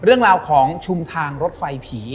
เรื่องราวของชุมทางรถไฟผี